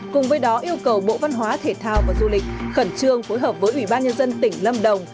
cùng với đó yêu cầu bộ văn hóa thể thao và du lịch khẩn trương phối hợp với ủy ban nhân dân tỉnh lâm đồng